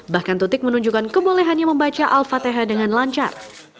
bahkan tutik menunjukkan kebolehannya membaca al fatihah dengan lancar